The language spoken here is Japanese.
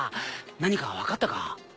何か分かったか？